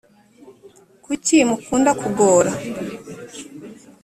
kucyi mukunda kugora